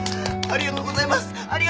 ありがとうございます！